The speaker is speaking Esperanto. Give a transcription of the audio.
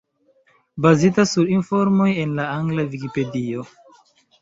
Bazita sur informoj en la angla Vikipedio.